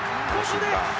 ここで！